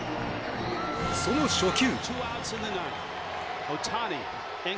その初球。